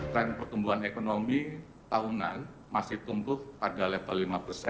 trend pertumbuhan ekonomi tahunan masih tumbuh pada level lima